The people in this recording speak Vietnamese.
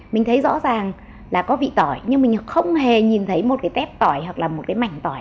mình thấy rõ ràng là có vị tỏi nhưng mình không hề nhìn thấy một cái tép tỏi hoặc là một cái mảnh tỏi